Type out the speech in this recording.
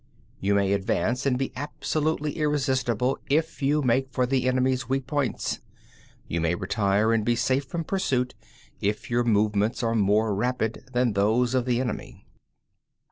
10. You may advance and be absolutely irresistible, if you make for the enemy's weak points; you may retire and be safe from pursuit if your movements are more rapid than those of the enemy.